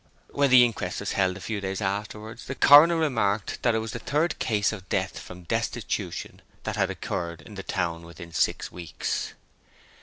When the inquest was held a few days afterwards, the coroner remarked that it was the third case of death from destitution that had occurred in the town within six weeks.